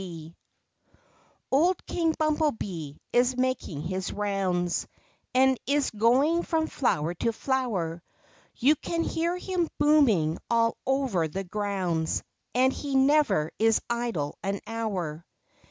O ld King Bumble Bee is making his rounds, And is going from flower to flower; You can hear him booming all over the grounds, And he never is idle an hour.